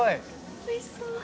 おいしそう。